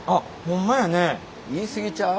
言い過ぎちゃう？